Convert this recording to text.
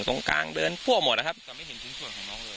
ตรงกลางเดินทั่วหมดนะครับจะไม่เห็นชิ้นส่วนของน้องเลย